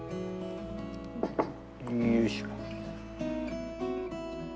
よいしょ。